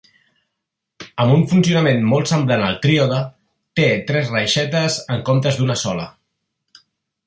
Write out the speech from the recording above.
Amb un funcionalment molt semblant al tríode, té tres reixetes en comptes d'una sola.